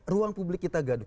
ruang publik kita gaduh